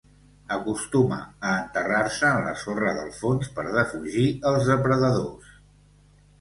Acostuma a enterrar-se en la sorra del fons per defugir els depredadors.